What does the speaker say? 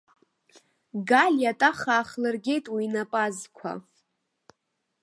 Галиа атах аахлыргеит уи инапы азқәа.